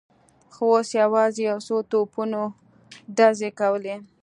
خو اوس یوازې یو څو توپونو ډزې کولې.